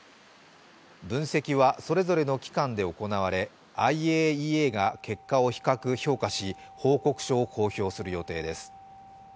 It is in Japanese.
分析はそれぞれの機関で行われ、ＩＡＥＡが結果を比較、評価し報告書を公表する予定です。